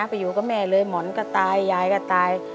ไปอยู่กับแม่เลยหมอนก็ตายยายก็ตาย